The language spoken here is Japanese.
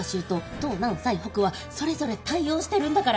東南西北はそれぞれ対応してるんだから。